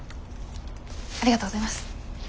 ありがとうございます。